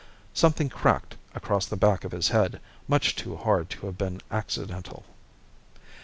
Something cracked across the back of his head, much too hard to have been accidental.